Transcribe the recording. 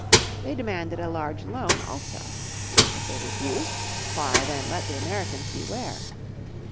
They demanded a large loan also. If they refused, why, then let the Americans beware.